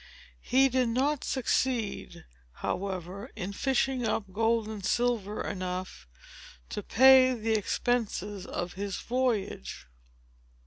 He did not succeed, however, in fishing up gold and silver enough to pay the expenses of his voyage.